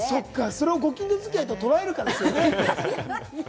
それをご近所づきあいととらえるかですね。